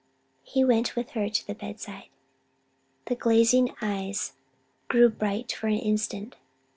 He went with her to the bedside. The glazing eyes grew bright for an instant.